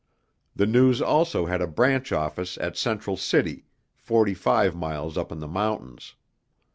The News also had a branch office at Central City, forty five miles up in the mountains.